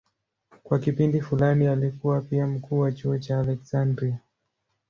Kwa kipindi fulani alikuwa pia mkuu wa chuo cha Aleksandria.